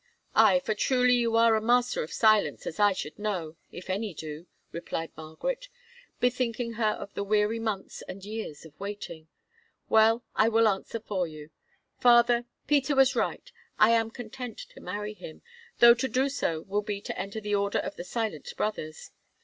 "Aye, for truly you are a master of silence, as I should know, if any do," replied Margaret, bethinking her of the weary months and years of waiting. "Well, I will answer for you.—Father, Peter was right; I am content to marry him, though to do so will be to enter the Order of the Silent Brothers.